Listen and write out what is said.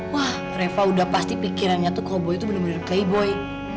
wah reva udah pasti pikirannya tuh cowboy tuh bener bener playboy